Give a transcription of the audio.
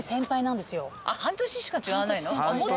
あっ半年しか違わないの？